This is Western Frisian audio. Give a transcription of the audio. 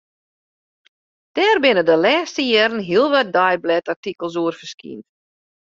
Dêr binne de lêste jierren hiel wat deiblêdartikels oer ferskynd.